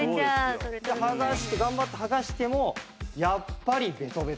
剥がして頑張って剥がしてもやっぱりベトベト。